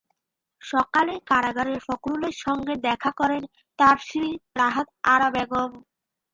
সকালে কারাগারে ফখরুলের সঙ্গে দেখা করেন তাঁর স্ত্রী রাহাত আরা বেগম।